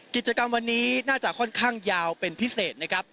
กิจกรรมวันนี้น่าจะค่อนข้างยาวเป็นพิเศษนะครับ